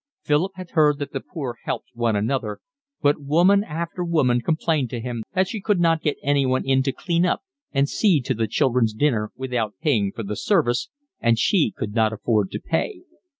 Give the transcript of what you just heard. Philip had heard that the poor helped one another, but woman after woman complained to him that she could not get anyone in to clean up and see to the children's dinner without paying for the service, and she could not afford to pay.